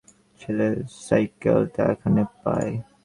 ছেলের সাইকেলটা এখানে পায়।